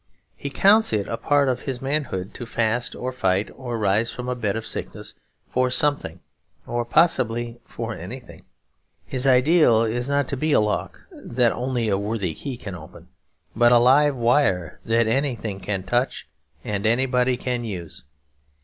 He counts it a part of his manhood to fast or fight or rise from a bed of sickness for something, or possibly for anything. His ideal is not to be a lock that only a worthy key can open, but a 'live wire' that anything can touch or anybody can use.